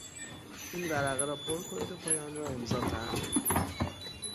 این ورقه را پر کنید و پای آن را امضا فرمایید.